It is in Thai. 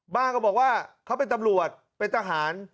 บ้างเค้าบอกว่าเค้าเป็นตำรวจเป็นทหาร